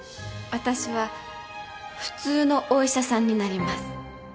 私は普通のお医者さんになります。